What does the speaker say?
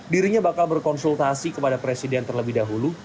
dirinya bakal berkonsultasi kepada presiden terlebih dahulu